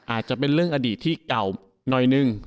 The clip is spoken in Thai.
อาจจะเป็นเรื่องอดีตที่เก่าหน่อยนึง